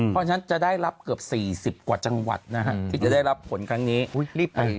พอฉะนั้นจะได้รับเกือบ๔๐กว่าจังหวัดที่จะได้รับฝนครั้งนี้